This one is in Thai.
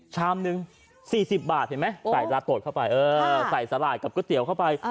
ชามหนึ่ง๔๐บาทเห็นไหมใส่ลาโตดเข้าไปเออใส่สลายกับก๋วยเตี๋ยวเข้าไป